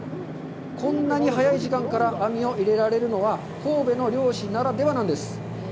こんなに早い時間から網を入れられるのは神戸の漁師ならではなんです。